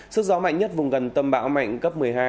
sức gió mạnh nhất vùng gần tâm bão mạnh cấp một mươi hai